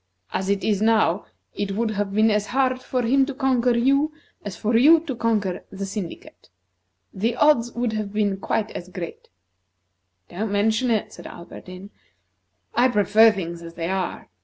As it is now, it would have been as hard for him to conquer you, as for you to conquer the syndicate. The odds would have been quite as great." "Don't mention it," said Alberdin. "I prefer things as they are.